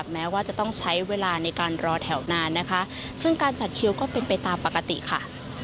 แม้ว่าจะต้องใช้เวลาในการรอแถวนานนะคะซึ่งการจัดคิวก็เป็นไปตามปกติค่ะ